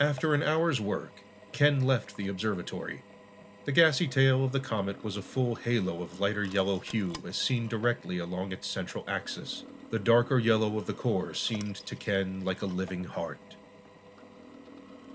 After an hour's work, Ken left the observatory. The gassy tail of the comet was a full halo of lighter yellow hue, as seen directly along its central axis. The darker yellow of the core seemed to Ken like a living heart.